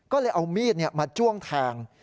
ก็เลยเอามีดมาจ้วงแทง